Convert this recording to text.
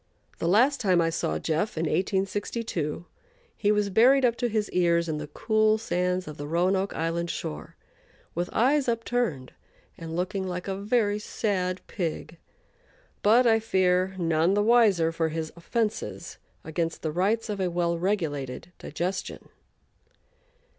The last time I saw "Jeff," in 1862, he was buried up to his ears in the cool sands of the Roanoke Island shore, with eyes upturned and looking like a very sad pig, but I fear none the wiser for his offenses against the rights of a well regulated digestion.